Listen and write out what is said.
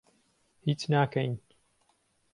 هیچ ناکەین.